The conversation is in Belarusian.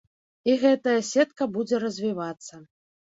І гэтая сетка будзе развівацца.